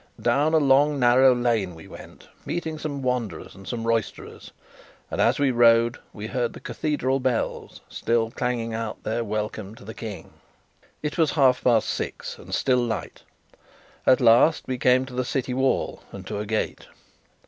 Down a long narrow lane we went, meeting some wanderers and some roisterers; and, as we rode, we heard the Cathedral bells still clanging out their welcome to the King. It was half past six, and still light. At last we came to the city wall and to a gate.